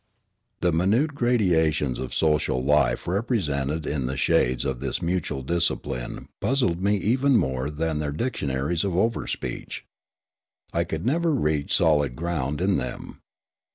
The minute gradations of social life represented in the shades of this mutual discipline puzzled me even more than their dictionaries of overspeech. I could never reach solid ground in them.